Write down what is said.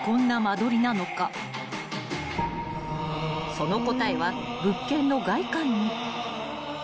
［その答えは物件の外観に］